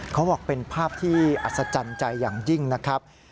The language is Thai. เขาบอกเป็นภาพที่อัศจรรย์ใจอย่างยิ่งนะครับ